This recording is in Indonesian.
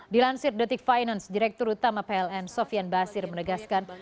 dilansir detik finance direktur utama pln sofian basir menegaskan